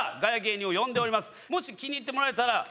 もし気に入ってもらえたら。